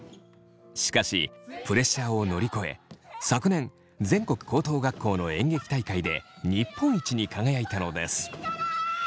しかしプレッシャーを乗り越え昨年全国高等学校の演劇大会で日本一に輝いたのです。